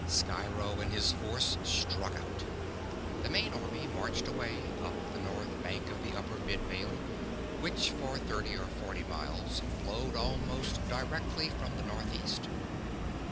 Sciro and his force struck out. The main army marched away, up the north bank of the Upper Midvale, which for thirty or forty miles flowed almost directly from the north east.